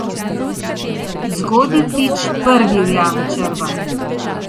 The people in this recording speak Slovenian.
Zgodnji ptič prvi ujame črva.